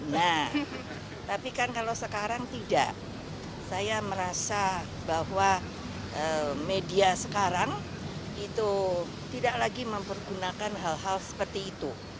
nah tapi kan kalau sekarang tidak saya merasa bahwa media sekarang itu tidak lagi mempergunakan hal hal seperti itu